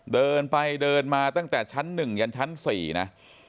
เดินไปเดินมาตั้งแต่ชั้น๑ยันชั้น๔นะ